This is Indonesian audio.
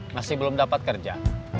masih belum dapat kerja